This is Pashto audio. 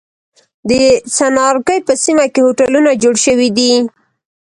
د څنارګی په سیمه کی هوټلونه جوړ شوی دی.